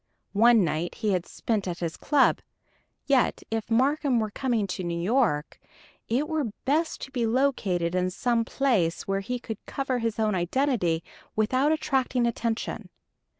One night he had spent at his club. Yet, if Marcum were coming to New York, it were best to be located in some place where he could cover his own identity without attracting attention.